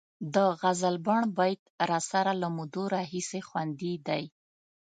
د غزلبڼ بیت راسره له مودو راهیسې خوندي دی.